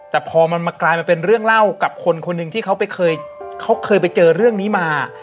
แต่พอมันมากลายมาเป็นเรื่องเล่ากับคนคนหนึ่งที่เขาเคยไปเจอเรื่องนี้มา